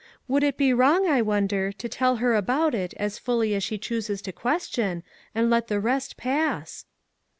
Would it be wrong, I wonder, to tell her about it, as fully as she chooses to • ques tion, and let the rest pass?"